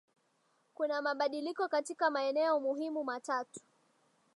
Kuna mabadiliko katika maeneo muhimu matatu